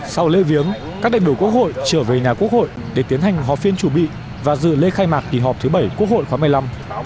sau lê viếng các đại biểu quốc hội trở về nhà quốc hội để tiến hành hòa phiên chủ bị và dự lê khai mạc kỳ họp thứ bảy quốc hội khóa một mươi năm